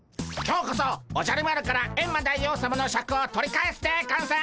今日こそおじゃる丸からエンマ大王さまのシャクを取り返すでゴンス！